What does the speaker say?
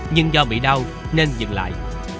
nhưng do bị đau nên dừng lại